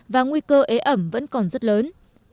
và nguy cơ ế ẩm vẫn còn rất lớn